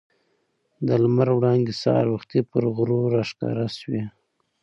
د لمر وړانګې سهار وختي پر غرو راښکاره شوې.